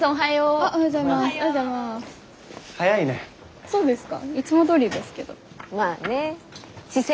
ああそうですか。